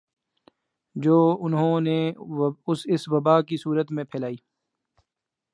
جو انھوں نے اس وبا کی صورت میں پھیلائی